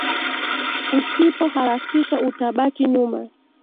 Usipo harakisha utabaki nyuma